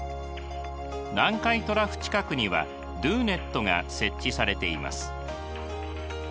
南海トラフ近くにはＤＯＮＥＴが設置されています。